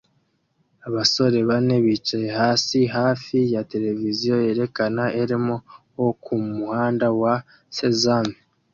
Abasore bane bicaye hasi hafi ya televiziyo yerekana Elmo wo ku muhanda wa Sesame